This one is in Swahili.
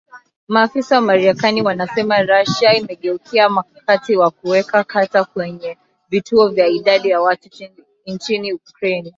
Maafisa wa marekani wanasema Russia inageukia mkakati wa kuweka taka kwenye vituo vya idadi ya watu nchini Ukraine